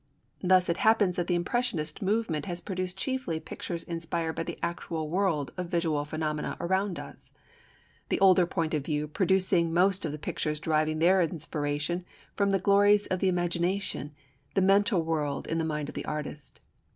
Thus it happens that the Impressionist movement has produced chiefly pictures inspired by the actual world of visual phenomena around us, the older point of view producing most of the pictures deriving their inspiration from the glories of the imagination, the mental world in the mind of the artist.